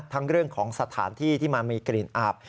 เรื่องของสถานที่ที่มันมีกลิ่นอาบ